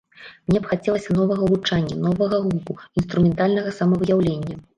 Мне б хацелася новага гучання, новага гуку, інструментальнага самавыяўлення.